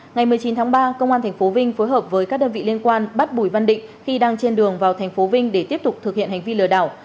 ngày một mươi chín tháng ba công an tp vinh phối hợp với các đơn vị liên quan bắt bùi văn định khi đang trên đường vào thành phố vinh để tiếp tục thực hiện hành vi lừa đảo